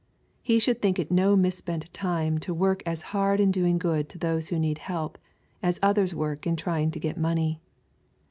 (He should think it no misspent time to work as hard in doing good to those who need help, as others work in trying to get money.